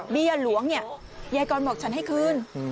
หลวงเนี่ยยายกรบอกฉันให้คืน